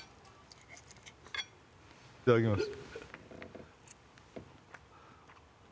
いただきます